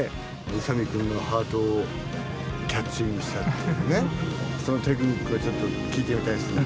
宇佐見君のハートをキャッチングしたというね、そのテクニックをちょっと聞いてみたいですね。